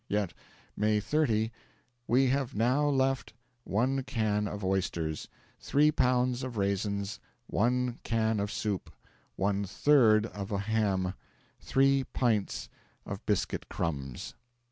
Yet, May 30, 'we have now left: one can of oysters; three pounds of raisins; one can of soup; one third of a ham; three pints of biscuit crumbs.'